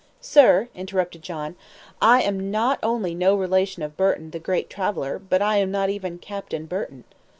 "Sir," interrupted John. "I am not only no relation of Burton the great traveler, but I am not even Captain Burton."